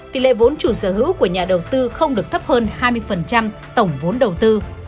tỷ lệ vốn chủ sở hữu của nhà đầu tư không được thấp hơn hai mươi tổng vốn đầu tư